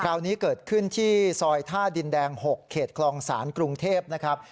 คราวนี้เกิดขึ้นที่ซอยท่าดินแดง๖เขตคลองศาลกรุงเทพนะครับ